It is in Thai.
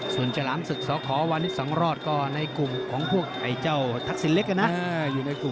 ส่วนจรามศึกษาขอวันนี้สังรอดก็ในกลุ่มของพวกไอ้เจ้าทักษินเล็กนะ